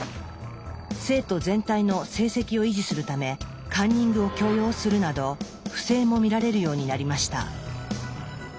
生徒全体の成績を維持するためカンニングを許容するなど不正も見られるようになりました。